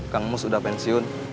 kang mus udah pensiun